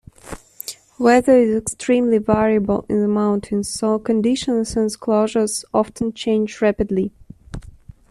Weather is extremely variable in the mountains, so conditions and closures often change rapidly.